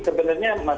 sudah sesuai atau tidak